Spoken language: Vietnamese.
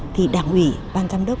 thì đảng ủy ban giám đốc